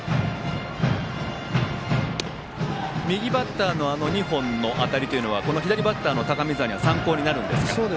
右バッターの２本の当たりは左バッターの高見澤は参考になりますか。